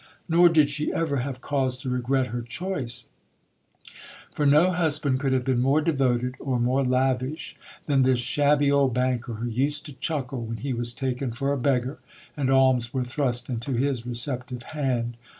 Nor did she ever have cause to regret her choice; for no husband could have been more devoted or more lavish than this shabby old banker who used to chuckle when he was taken for a beggar, and alms were thrust into his receptive hand.